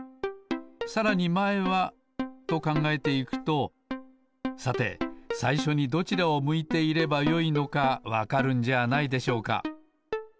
さらにまえはとかんがえていくとさてさいしょにどちらを向いていればよいのかわかるんじゃないでしょうか。